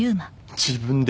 自分で？